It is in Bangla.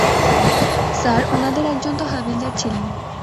স্যার, ওনাদের একজন তো হাবিলদার ছিলেন।